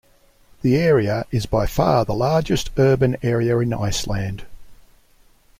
The area is by far the largest urban area in Iceland.